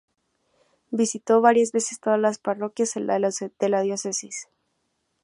Visitó varias veces todas las parroquias de la diócesis.